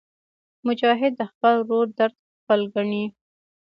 مجاهد د خپل ورور درد خپل ګڼي.